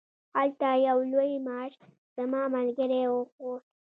هلته یو لوی مار زما ملګری و خوړ.